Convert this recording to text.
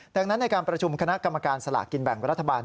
ดังนั้นในการประชุมคณะกรรมการสลากกินแบ่งรัฐบาล